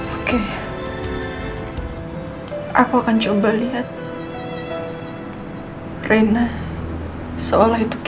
oke aku akan coba lihat rena seolah itu